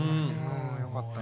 よかった。